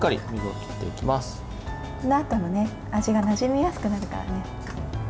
このあとの味がなじみやすくなるからね。